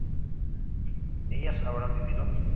¿ellas habrán vivido?